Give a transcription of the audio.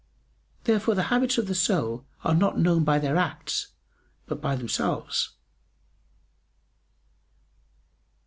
Therefore the habits of the soul are not known by their acts, but by themselves.